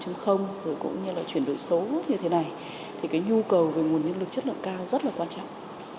trong thời kỳ cách mạng bốn chuyển đổi số như thế này nhu cầu về nguồn nhân lực chất lượng cao rất quan trọng